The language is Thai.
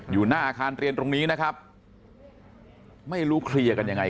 อยู่หน้าอาคารเรียนตรงนี้นะครับไม่รู้เคลียร์กันยังไง